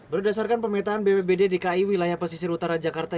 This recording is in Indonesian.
berdasarkan pemetaan bpbd dki wilayah pesisir utara jakarta